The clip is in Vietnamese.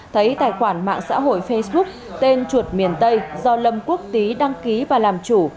thấy tài khoản mạng xã hội facebook tên chuột miền tây do lâm quốc tý đăng ký và làm chủ